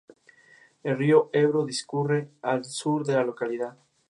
El río Ebro discurre al sur de la localidad.